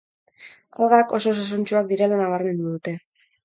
Algak oso osasuntsuak direla nabarmendu dute.